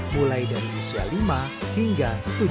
mulai dari usia lima hingga tujuh belas